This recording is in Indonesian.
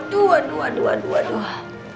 dua dua dua dua